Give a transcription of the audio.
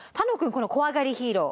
この「こわがりヒーロー」